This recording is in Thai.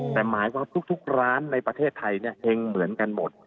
แต่หมายความทุกร้านในประเทศไทยเนี่ยเห็งเหมือนกันหมด